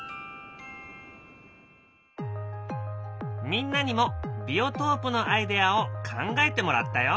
みんなにもビオトープのアイデアを考えてもらったよ。